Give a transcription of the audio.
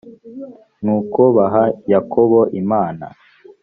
nuko baha yakobo imana